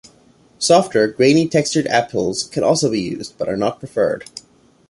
Softer, grainy-textured apples can also be used, but are not preferred.